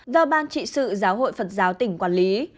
và ban trị sự giáo hội phật giáo tỉnh quản lý